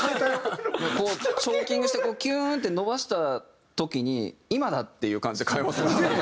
こうチョーキングしてキューンって伸ばした時に今だ！っていう感じで替えますもんね。